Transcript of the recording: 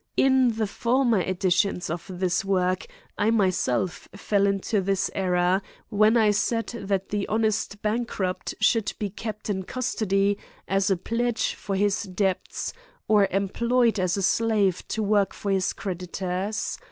In the former editions of this work I myself fell into this error, when I said that the honest bankrupt should be kept in custody, as a pledge for his debts, or employed as a slave to work for his creditors.